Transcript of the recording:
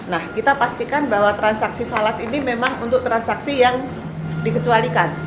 nah kita pastikan bahwa transaksi falas ini memang untuk transaksi yang dikecualikan